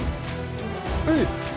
はい！